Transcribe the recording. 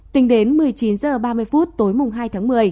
tính đến một mươi chín h ba mươi phút tối hai tháng một mươi